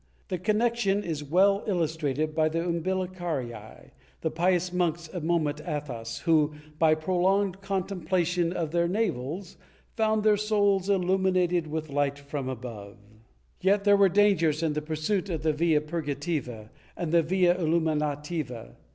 The connection is well illus trated by the Umbilicarii, the pious monks of Momit Athos who, by prolonged contemplation of their navels, found their souls illuminated with light from above.^ Yet there were dangers in the pursuit of the via purgativa and the via illuminativa.